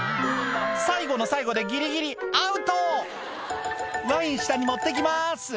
最後の最後でギリギリアウト「ワイン下に持っていきます」